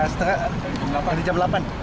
setengah dari jam delapan